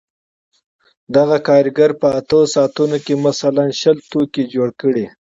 دغه کارګر په اته ساعتونو کې مثلاً شل توکي جوړ کړي